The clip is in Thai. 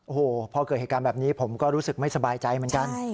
โอ้โหพอเกิดเหตุการณ์แบบนี้ผมก็รู้สึกไม่สบายใจเหมือนกัน